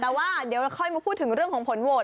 แต่ว่าเดี๋ยวเราค่อยมาพูดถึงเรื่องของผลโหวต